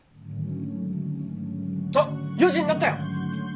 あっ４時になったよ！